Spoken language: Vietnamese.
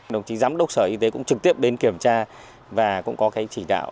đồng chí giám đốc sở y tế cũng trực tiếp đến kiểm tra và cũng có cái chỉ đạo